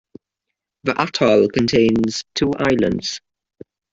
The atoll contains two islands.